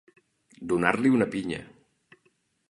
Donar-li una pinya.